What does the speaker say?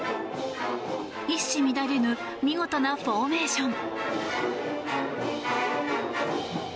一糸乱れぬ見事なフォーメーション。